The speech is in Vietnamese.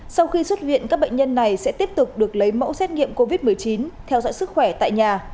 sau khi xuất viện các bệnh nhân này sẽ tiếp tục được lấy mẫu xét nghiệm covid một mươi chín theo dõi sức khỏe tại nhà